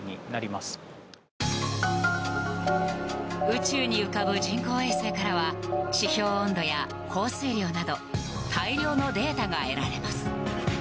宇宙に浮かぶ人工衛星からは地表温度や降水量など大量のデータが得られます。